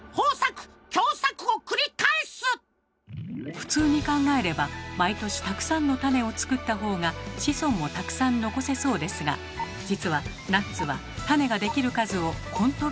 普通に考えれば毎年たくさんの種を作ったほうが子孫もたくさん残せそうですがじつはナッツは種ができる数をコントロールしているのです。